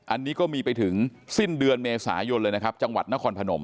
อันนี้ก็มีไปถึงสิ้นเดือนเมษายนเลยนะครับจังหวัดนครพนม